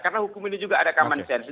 karena hukum ini juga ada common sense